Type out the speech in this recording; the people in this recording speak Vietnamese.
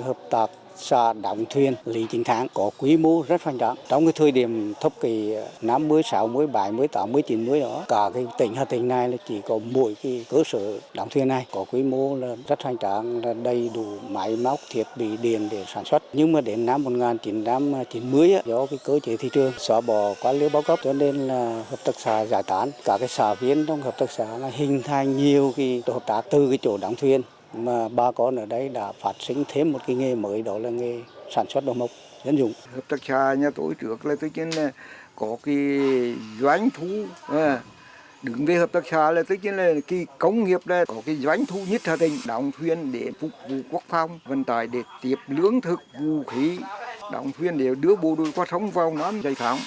hợp tác xã nhà tổ chức là có cái doanh thu đứng với hợp tác xã là công nghiệp là có cái doanh thu nhất thà tình đồng thuyền để phục vụ quốc phòng vận tài để tiếp lưỡng thực vũ khí đồng thuyền để đưa bộ đội qua sống vào năm dài tháng